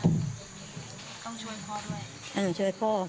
ต้องช่วยพ่อด้วย